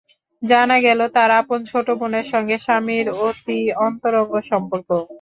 জানা গেল, তাঁর আপন ছোট বোনের সঙ্গে স্বামীর অতি অন্তরঙ্গ সম্পর্ক।